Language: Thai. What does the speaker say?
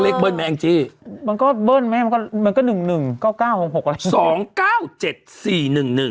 เลขเบิ่นไหมแองจี้มันก็เบิ่นมันก็๑๑๙๖อะไรอย่างนี้